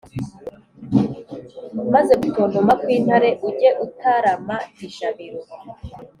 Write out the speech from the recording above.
Maze gutontoma nk’intare, ujye utarama ijabiro.